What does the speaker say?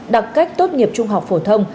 đặc cách tốt nghiệp trung học phổ thông